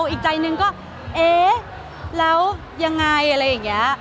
อีกใจหนึ่งก็เอ๊ะแล้วยังไงอะไรอย่างนี้